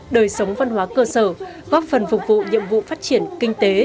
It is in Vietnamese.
đời sống văn hóa cơ sở góp phần phục vụ nhiệm vụ phát triển kinh tế